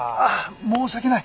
申し訳ない！